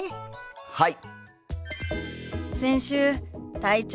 はい！